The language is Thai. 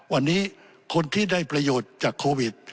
วันนี้คนที่ได้ประโยชน์จากโควิด